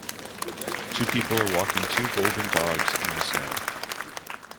Two people are walking two golden dogs in the snow.